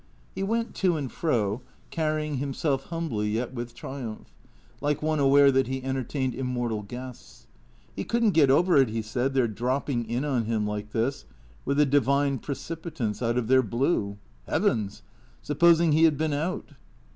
He went to and fro, carrying himself humbly yet with triumph, lik' one aware that he entertained immortal guests. He could n't get over it, he said, their dropping in on him like this, with a divine precipitance, out of their blue. Heavens! Supposing he had been out